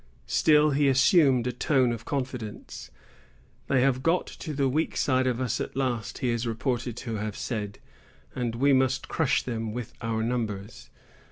Still he assumed a tone of confidence. "They have got to the weak side of us at last," he is reported to have said, "and we must crush them with our numbers."